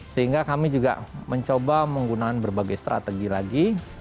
sehingga kami juga mencoba menggunakan berbagai strategi lagi